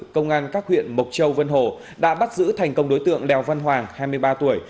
công an các huyện mộc châu vân hồ đã bắt giữ thành công đối tượng đèo văn hoàng hai mươi ba tuổi